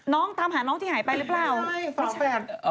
ตามหาน้องที่หายไปหรือเปล่า